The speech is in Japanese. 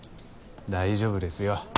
大丈夫ですよ。